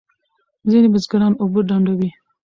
ځینې بزګران اوبه ډنډوي.